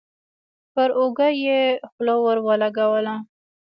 پر اوږه يې خوله ور ولګوله.